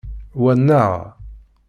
Wa nneɣ.